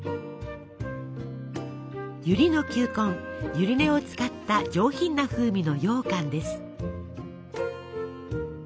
ゆりの球根ゆり根を使った上品な風味のようかんです。